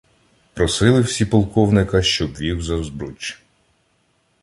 Просили всі полковника, щоб вів за Збруч.